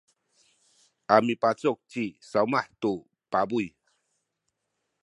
a mipacuk ci Sawmah tu pabuy.